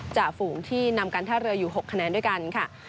ฝูงที่นำการท่าเรืออยู่๖คะแนนด้วยกันค่ะ